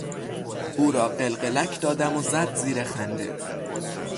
او را قلقلک دادم و زد زیر خنده.